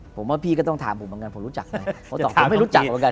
ผมว่าพี่ก็ต้องถามผมเหมือนกันผมรู้จักไหม